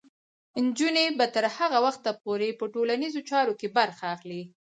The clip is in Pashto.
نجونې به تر هغه وخته پورې په ټولنیزو چارو کې برخه اخلي.